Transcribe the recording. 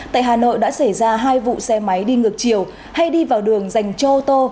tại hà nội đã xảy ra hai vụ xe máy đi ngược chiều hay đi vào đường dành cho ô tô